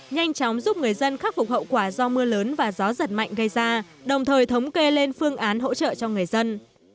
nhanh chóng giúp người dân khắc phục hậu quả do mưa lớn và gió giật mạnh gây ra đồng thời thống kê lên phương án hỗ trợ cho người dân